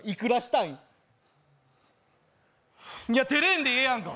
いや、照れんでええやんか。